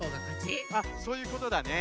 あっそういうことだね。